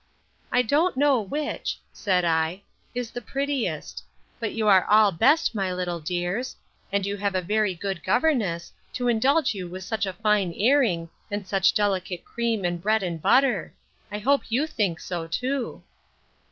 I don't know which, said I, is the prettiest; but you are all best, my little dears; and you have a very good governess, to indulge you with such a fine airing, and such delicate cream, and bread and butter. I hope you think so too.